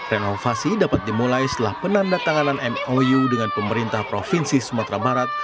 renovasi dapat dimulai setelah penanda tanganan mou dengan pemerintah provinsi sumatera barat